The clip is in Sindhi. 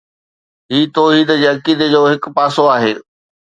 هي توحيد جي عقيدي جو هڪ پاسو آهي